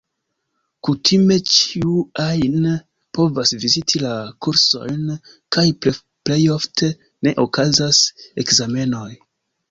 Kutime ĉiu ajn povas viziti la kursojn, kaj plejofte ne okazas ekzamenoj.